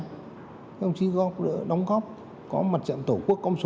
các ông chỉ góp đồng góp có mặt trận tổ quốc công số